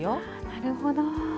なるほど。